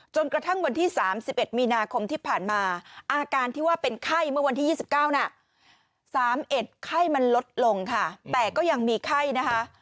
กระทั่งวันที่๓๑มีนาคมที่ผ่านมาอาการที่ว่าเป็นไข้เมื่อวันที่๒๙น่ะ๓๑ไข้มันลดลงค่ะแต่ก็ยังมีไข้นะคะ